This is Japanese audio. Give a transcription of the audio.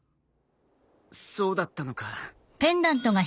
そうだったのか。